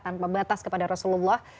tanpa batas kepada rasulullah